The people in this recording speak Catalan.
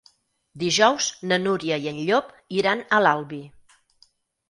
Dijous na Núria i en Llop iran a l'Albi.